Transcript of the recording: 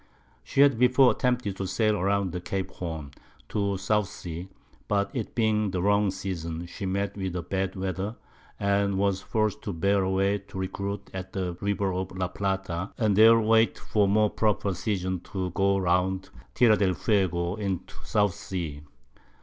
She had before attempted to sail round Cape Horn, to the South Sea; but it being the wrong Season, she met with bad Weather, and was forc'd to bear away to recruit at the River of La Plata, and there wait for a more proper Season to go round Terra del Fuego, into the South Sea.